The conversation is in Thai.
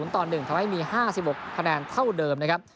ทำให้มี๕๖แปนเท่าเดิมนะครับ